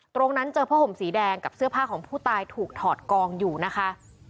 ตรงนั้นเจอผ้าห่มสีแดงกับเสื้อผ้าของผู้ตายถูกถอดกองอยู่นะคะ